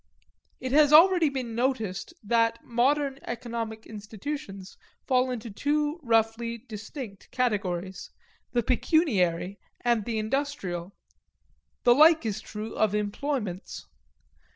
It has already been noticed that modern economic institutions fall into two roughly distinct categories the pecuniary and the industrial. The like is true of employments.